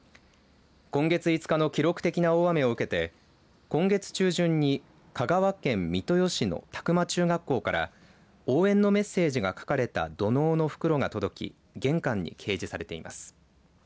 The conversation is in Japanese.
今月５日の記録的な大雨を受けて今月中旬に香川県三豊市の詫間中学校から応援のメッセージが書かれた土のうの袋が届き玄関に掲示されています。